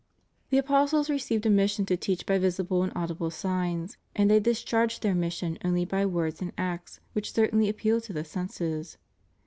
The apostles re ceived a mission to teach by visible and audible signs, and they discharged their mission only by words and acts which certainly appealed to the senses.